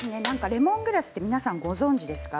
レモングラス皆さんご存じですか？